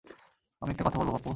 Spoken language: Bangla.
আমি একটা কথা বলবো পাপ্পু?